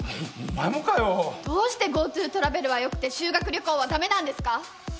おっお前もかよ。どうしてＧｏＴｏトラベルはよくて修学旅行は駄目なんですか！？